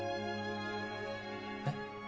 えっ？